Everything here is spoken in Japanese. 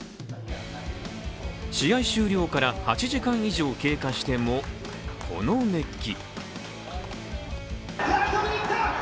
試合終了から８時間以上経過してもこの熱気。